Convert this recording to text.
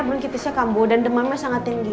bruncitisnya kambu dan demamnya sangat tinggi